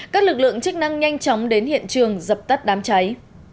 các lực lượng chức năng nhanh chóng đến hiện trường dập tắt đám cháy